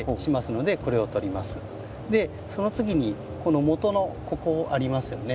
その次にこのもとのここありますよね。